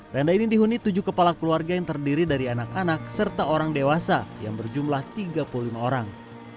tenda ini dihuni tujuh kepala keluarga yang terdiri dari anak anak serta orang dewasa yang berjumlah tiga puluh lima orang